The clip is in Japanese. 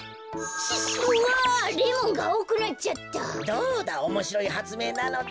どうだおもしろいはつめいなのだ。